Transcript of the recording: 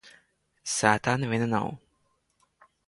Sētā neviena nav.